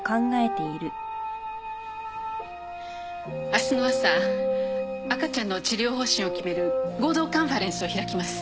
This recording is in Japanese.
明日の朝赤ちゃんの治療方針を決める合同カンファレンスを開きます。